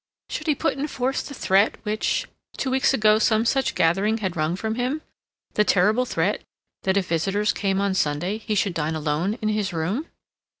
Should he put in force the threat which, two weeks ago, some such gathering had wrung from him—the terrible threat that if visitors came on Sunday he should dine alone in his room?